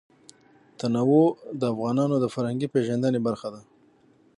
تنوع د افغانانو د فرهنګي پیژندنې برخه ده.